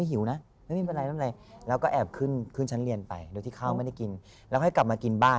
อืมอืมอืมอืมอืม